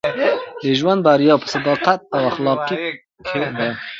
د ژوند بریا په صداقت او اخلاقو کښي ده.